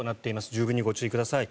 十分にご注意ください。